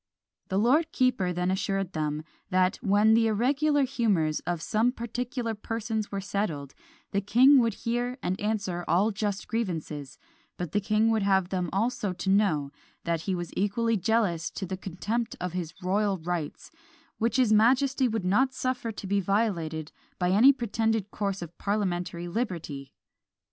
The lord keeper then assured them, that "when the irregular humours of some particular persons were settled, the king would hear and answer all just grievances; but the king would have them also to know that he was equally jealous to the contempt of his royal rights, which his majesty would not suffer to be violated by any pretended course of parliamentary liberty.